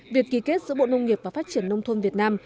việc ký kết giữa bộ nông nghiệp và phát triển nông thôn việt nam